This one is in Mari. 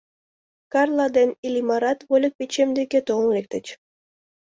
Карла ден Иллимарат вольык печем деке толын лектыч.